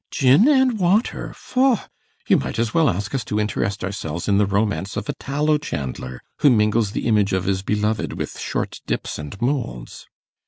'Gin and water! foh! you may as well ask us to interest ourselves in the romance of a tallow chandler, who mingles the image of his beloved with short dips and moulds.